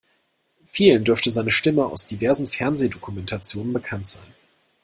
Vielen dürfte seine Stimme aus diversen Fernsehdokumentationen bekannt sein.